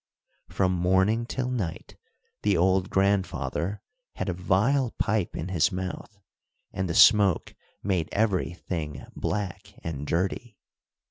From morning till night the old grandfather had a vile pipe in his mouth, and the smoke made every thing black and dirty.